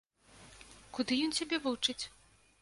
Куды ён цябе вучыць?